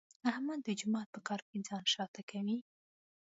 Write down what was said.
احمد د جومات په کار کې ځان شاته کوي.